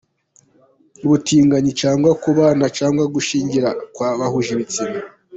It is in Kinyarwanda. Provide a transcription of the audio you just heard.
Ubutinganyi cyangwa kubana cyangwa gushyingira kw’ abahuje ibitsina.